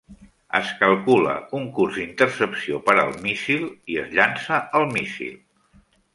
Es calcula un curs d'intercepció per al míssil i es llança el míssil.